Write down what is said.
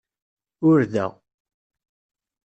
Ur da.